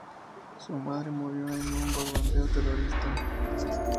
Su madre murió en un bombardeo terrorista.